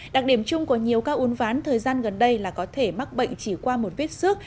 đặc điểm chung của nhiều ca uốn ván thời gian gần đây là có thể mắc bệnh chỉ qua một viết xước